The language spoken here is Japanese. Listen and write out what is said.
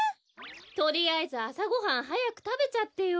とりあえずあさごはんはやくたべちゃってよ。